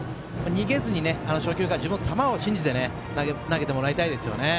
逃げずに初球から、自分の球を信じて投げてもらいたいですね。